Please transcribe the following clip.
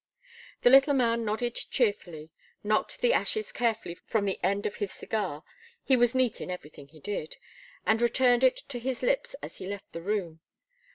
The little man nodded cheerfully, knocked the ashes carefully from the end of his cigar he was neat in everything he did and returned it to his lips as he left the room.